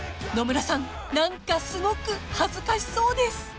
［野村さん何かすごく恥ずかしそうです］